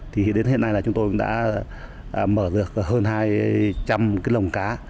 thì đến hiện nay là chúng tôi cũng đã mở được hơn hai trăm linh cái lồng cá